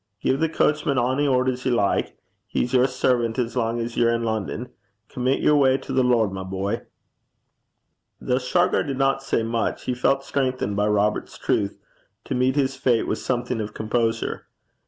Gie the coachman ony orders ye like. He's your servant as lang 's ye're in London. Commit yer way to the Lord, my boy.' Though Shargar did not say much, he felt strengthened by Robert's truth to meet his fate with something of composure.